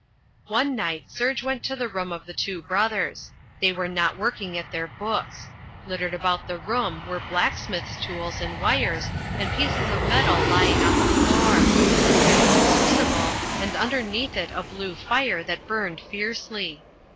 One night Serge went to the room of the two brothers. They were not working at their books. Littered about the room were blacksmith's tools and wires, and pieces of metal lying on the floor. There was a crucible and underneath it a blue fire that burned fiercely.